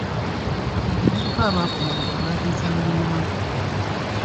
Abavubuka abaakomolebwa batiisa bannaabwe.